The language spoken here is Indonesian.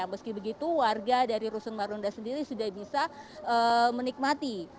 meski begitu warga dari rusun marunda sendiri sudah bisa menikmati